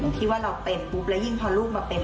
ที่ว่าเราเป็นปุ๊บแล้วยิ่งพอลูกมาเป็น